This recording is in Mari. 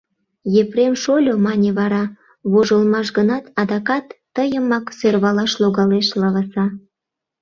— Епрем шольо, — мане вара, — вожылмаш гынат, адакат тыйымак сӧрвалаш логалеш, лаваса.